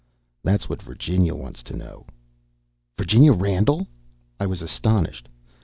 "That's what Virginia wants to know." "Virginia Randall!" I was astonished.